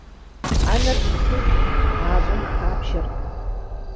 Ӏэнэр щытыху, гъащӀэм хабжэркъым.